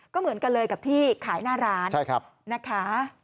ก็เหมือนกันเลยกับที่ขายหน้าร้านนะคะ